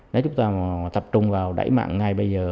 nếu chúng ta mà tập trung vào đẩy mặn ngay bây giờ